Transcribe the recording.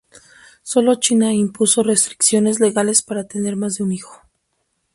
Solo China impuso restricciones legales para tener más de un hijo.